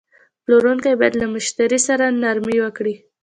پلورونکی باید له مشتری سره نرمي وکړي.